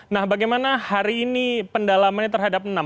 nah bagaimana hari ini pendalamannya terhadap enam